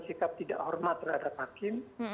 sikap tidak hormat terhadap hakim